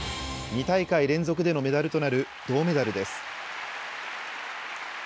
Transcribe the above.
２大会連続でのメダルとなる銅メダルです。